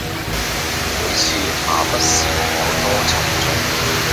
每次下筆時有多沉重